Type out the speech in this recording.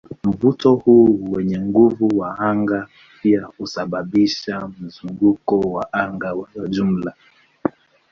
Mvuto huu wenye nguvu wa anga pia husababisha mzunguko wa anga wa jumla.